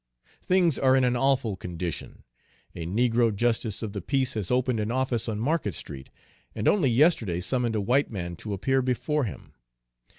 Things are in an awful condition! A negro justice of the peace has opened an office on Market Street, and only yesterday summoned a white man to appear before him.